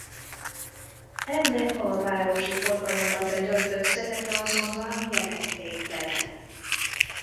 Ennek a városi forgalomban betöltött szerepe azonban jelentéktelen.